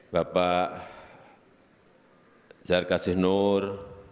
bapak zarkasih nur